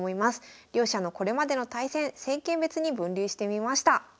両者のこれまでの対戦戦型別に分類してみました。